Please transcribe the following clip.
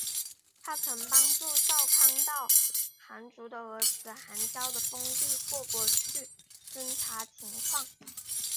她曾帮助少康到寒浞的儿子寒浇的封地过国去侦察情况。